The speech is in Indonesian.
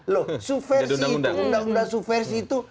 loh suversi itu jadi undang undang undang undang suversi itu